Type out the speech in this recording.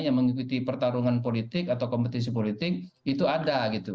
yang mengikuti pertarungan politik atau kompetisi politik itu ada gitu